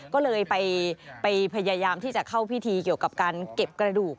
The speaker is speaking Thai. ก็เลยไปพยายามที่จะเข้าพิธีเกี่ยวกับการเก็บกระดูก